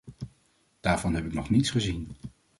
Daarvan heb ik nog niets gezien.